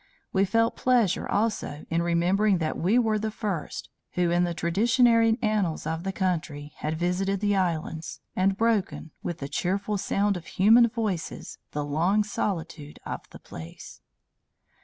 We felt pleasure also in remembering that we were the first who, in the traditionary annals of the country, had visited the islands, and broken, with the cheerful sound of human voices, the long solitude of the place.